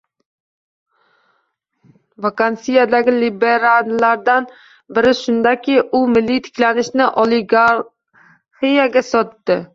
Vakansiyadagi liberallardan biri shundaki, u Milliy tiklanishni oligarxiyaga sotdi